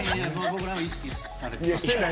僕らを意識されてた。